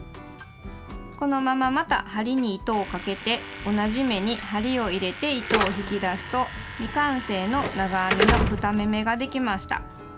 このまままた針に糸をかけて同じ目に針を入れて糸を引き出すと未完成の長編みの２目めができました。